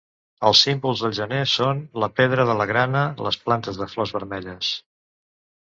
Els símbols del gener són la pedra de la grana, les plantes de flors vermelles.